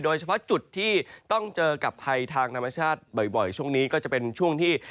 โดยเฉพาะจุดที่ต้องเจอกับภัยทางธรรมชาติบ่อยช่วงนี้ก็จะเป็นช่วงที่